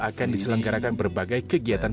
akan diselenggarakan berbagai kegiatan